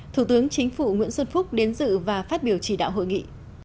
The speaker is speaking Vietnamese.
thủ tướng chính phủ nguyễn xuân phúc đến dự và phát biểu chỉ đạo hội nghị